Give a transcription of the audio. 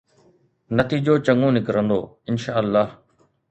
نتيجو چڱو نڪرندو، انشاءَ الله.